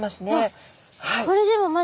これでもまだ。